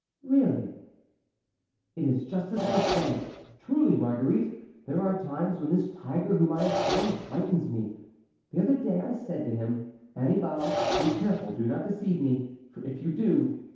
"Really?" "It is just as I say. Truly, Marguerite, there are times when this tiger whom I have tamed frightens me. The other day I said to him, 'Annibal, be careful, do not deceive me, for if you do!'